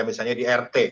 misalnya di rt